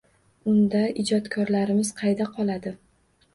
Unda ijodkorligimiz qayda qoladi?